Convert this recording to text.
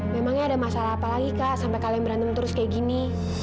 memangnya ada masalah apa lagi kak sampai kalian berantem terus kayak gini